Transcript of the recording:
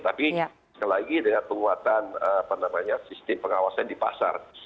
tapi sekali lagi dengan penguatan sistem pengawasan di pasar